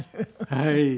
はい。